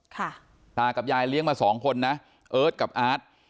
ตากับยายเลี้ยงมาสองคนนะเอิร์ทกับอาร์ต